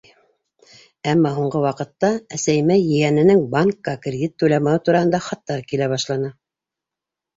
Әммә һуңғы ваҡытта әсәйемә ейәненең банкка кредит түләмәүе тураһында хаттар килә башланы.